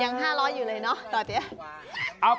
ยัง๕ล้อยอยู่เลยเนอะต่อเตียน